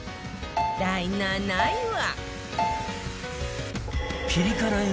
第７位は